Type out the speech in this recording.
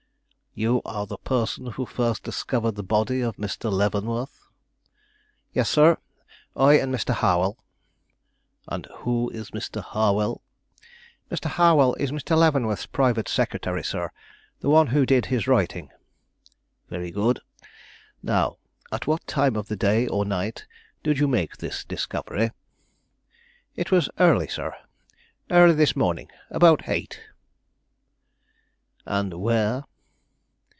"You are the person who first discovered the body of Mr. Leavenworth?" "Yes, sir; I and Mr. Harwell." "And who is Mr. Harwell?" "Mr. Harwell is Mr. Leavenworth's private secretary, sir; the one who did his writing." "Very good. Now at what time of the day or night did you make this discovery?" "It was early, sir; early this morning, about eight." "And where?"